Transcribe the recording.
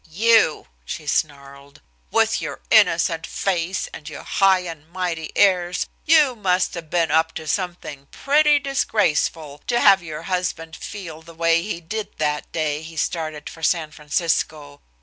"You!" she snarled, "with your innocent face, and your high and mighty airs, you must have been up to something pretty disgraceful, to have your husband feel the way he did that day he started for San Francisco!